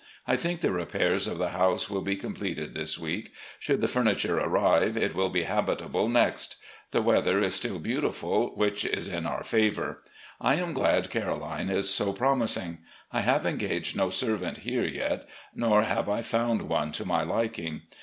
I think the repairs of the house will be completed this week; should the furniture arrive, it will be habitable next. The weather is still beautiful, which is in our favour. I am glad Caroline is so promising. I have engaged no servant here yet, nor have I found one to my liking.